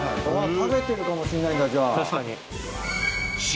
食べてるかもしれないんだじゃあ。